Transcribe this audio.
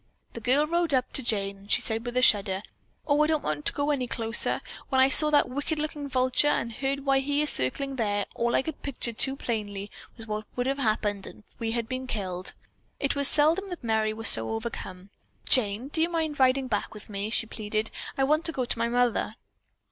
The girl rode up to Jane as she said with a shudder: "Oh, I don't want to go any closer! When I saw that wicked looking vulture and heard why he is circling there I could picture all too plainly what would have happened if we had been killed and " It was seldom that Merry was so overcome. "Jane, do you mind riding back with me?" she pleaded. "I want to go to my mother."